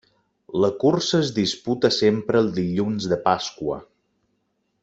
La cursa es disputa sempre el Dilluns de Pasqua.